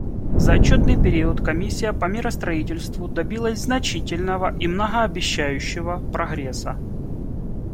За отчетный период Комиссия по миростроительству добилась значительного и многообещающего прогресса.